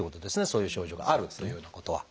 そういう症状があるというふうなことは。